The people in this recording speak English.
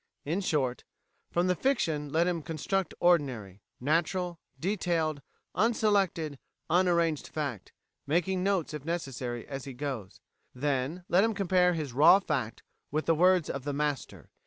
In short, from the fiction let him construct ordinary, natural, detailed, unselected, unarranged fact, making notes, if necessary, as he goes. Then let him compare his raw fact with the words of the master.